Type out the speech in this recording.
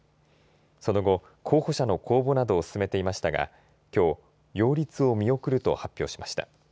その後、候補者の公募などを進めていましたがきょう擁立を見送ると発表しました。